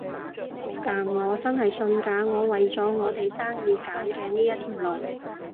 但我真係信㗎，我為我哋生意揀嘅呢一條路